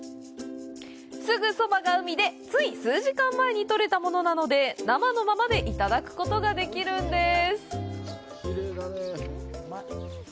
すぐそばが海でつい数時間前にとれたものなので生のままでいただくことができるんです。